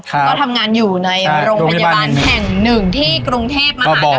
ก็ทำงานอยู่ในโรงพยาบาลแห่งหนึ่งที่กรุงเทพมหานคร